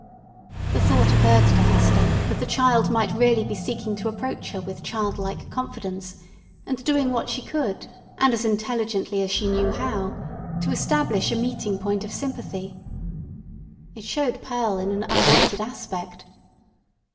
The thought occurred to Hester, that the child might really be seeking to approach her with childlike confidence, and doing what she could, and as intelligently as she knew how, to establish a meeting point of sympathy. It showed Pearl in an unwonted aspect.